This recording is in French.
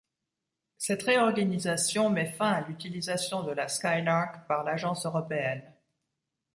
Cette réorganisation met fin à l'utilisation de la Skylark par l'agence européenne.